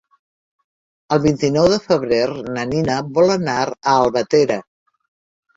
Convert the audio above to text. El vint-i-nou de febrer na Nina vol anar a Albatera.